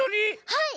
はい！